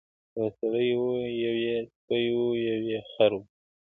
یو سړی وو یو یې سپی وو یو یې خروو،